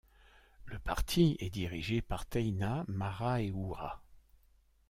Le parti est dirigé par Teina Maraeura.